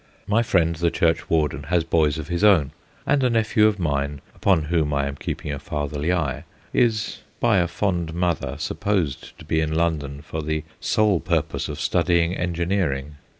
My friend the churchwarden has boys of his own, and a nephew of mine, upon whom I am keeping a fatherly eye, is by a fond mother supposed to be in London for the sole purpose of studying engineering.